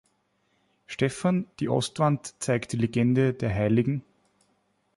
Stephan, die Ostwand zeigt die Legende der Hl.